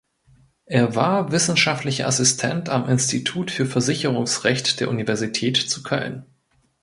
Er war wissenschaftlicher Assistent am Institut für Versicherungsrecht der Universität zu Köln.